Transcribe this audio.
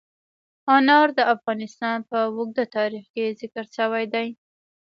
انار د افغانستان په اوږده تاریخ کې ذکر شوی دی.